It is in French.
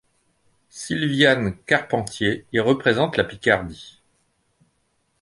Sylviane Carpentier y représente la Picardie.